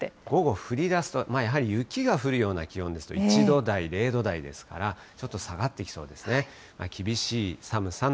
午後降りだすと、やはり雪が降るような気温ですから、１度台、０度台ですから、ちょっと下がってきそうですね。